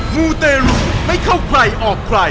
มูเตรุไม่เข้าใครออกใคร